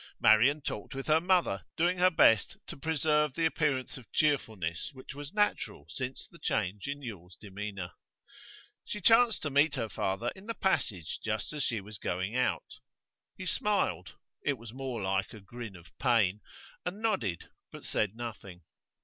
Marian talked with her mother, doing her best to preserve the appearance of cheerfulness which was natural since the change in Yule's demeanour. She chanced to meet her father in the passage just as she was going out. He smiled (it was more like a grin of pain) and nodded, but said nothing.